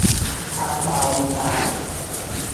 Akpaawung taa.